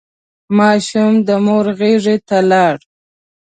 ماشوم د مور غېږ ته لاړ.